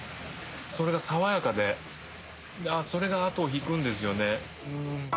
それが爽やかでそれが後を引くんですよね。